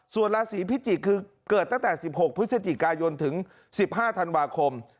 ส่วนราศีพิจิกษ์คือเกิดตั้งแต่๑๖พฤศจิกายนถึง๑๕ธันวาคม